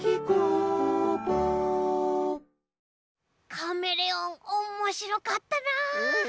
カメレオンおもしろかったな。